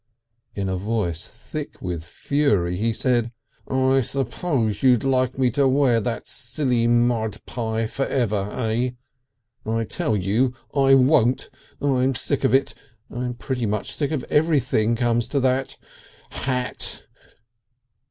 In a voice thick with fury he said: "I s'pose you'd like me to wear that silly Mud Pie for ever, eh? I tell you I won't. I'm sick of it. I'm pretty near sick of everything, comes to that.... Hat!"